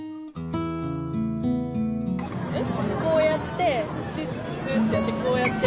こうやってトゥットゥってやってこうやって。